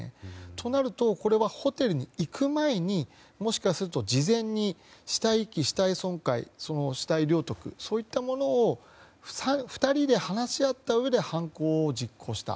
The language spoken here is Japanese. となるとこれはホテルに行く前にもしかすると事前に死体遺棄、死体損壊死体領得、そういったものを２人で話し合ったうえで犯行を実行した。